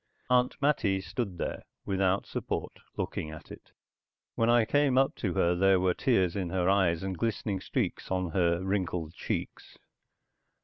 Aunt Mattie stood there, without support, looking at it. When I came up to her there were tears in her eyes and glistening streaks on her wrinkled cheeks.